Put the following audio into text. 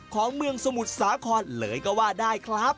ของเมืองสมุทรสาครเลยก็ว่าได้ครับ